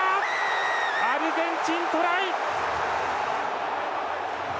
アルゼンチン、トライ！